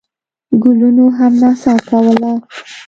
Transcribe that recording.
ګلونو هم نڅا کوله.